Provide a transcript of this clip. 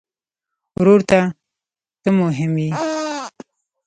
ورور ته ته مهم یې.